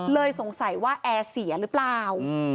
สงสัยว่าแอร์เสียหรือเปล่า